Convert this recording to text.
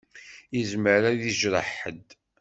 Izmer ad d-ijreḥ ḥedd.